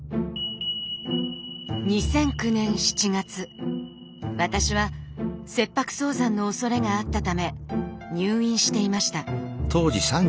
２００９年７月私は切迫早産のおそれがあったため入院していました。